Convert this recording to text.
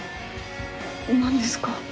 何ですか？